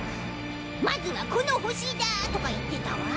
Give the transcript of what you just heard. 「まずはこの星だ」とか言ってたわ。